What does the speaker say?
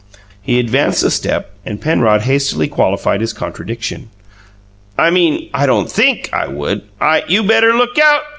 He advanced a step and Penrod hastily qualified his contradiction. "I mean, I don't THINK I would. I " "You better look out!"